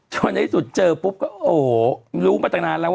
ในที่สุดเจอปุ๊บก็โอ้โหรู้มาตั้งนานแล้วว่า